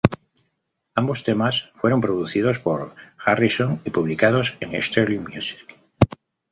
Ambos temas fueron producidos por Harrison y publicados en Startling Music.